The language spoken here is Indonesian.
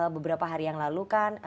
beberapa hari yang lalu kan